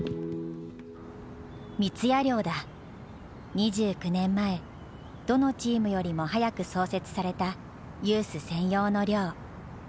２９年前どのチームよりも早く創設されたユース専用の寮。